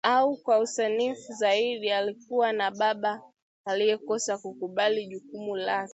Au kwa usanifu zaidi, alikuwa na baba aliyekosa kukubali jukumu lake